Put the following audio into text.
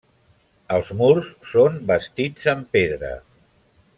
Els murs són bastits en pedra.